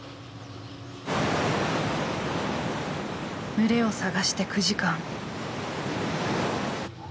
群れを探して９時間。